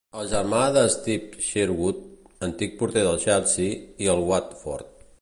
És germà de Steve Sherwood, antic porter del Chelsea i el Watford.